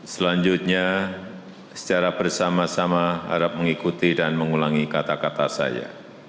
selanjutnya secara bersama sama harap mengikuti dan mengulangi kata kata saya